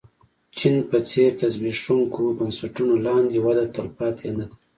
چین په څېر تر زبېښونکو بنسټونو لاندې وده تلپاتې نه ده.